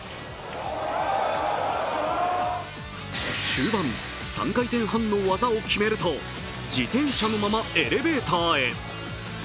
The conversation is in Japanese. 終盤３回転半の技を決めると自転車のままエレベーターへ。